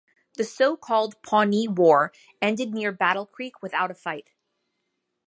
The so-called Pawnee War ended near Battle Creek without a fight.